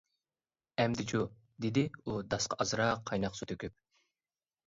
-ئەمدىچۇ؟ -دېدى ئۇ داسقا ئازراق قايناق سۇ تۆكۈپ.